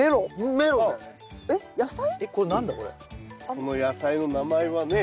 この野菜の名前はね